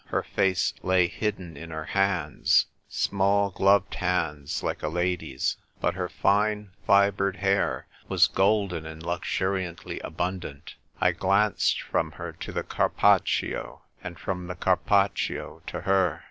Her face lay hidden in her hands — small gloved hands, like a lady's ; but her fine fibred hair was golden and luxuri antly abundant. I glanced from her to the Carpaccio, and from the Carpaccio to her.